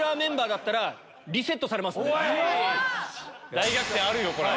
大逆転あるよこれ。